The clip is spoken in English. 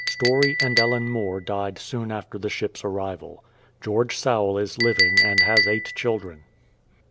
Story and Ellen More died soon after the ship's arrival. George Sowle is living and has eight children.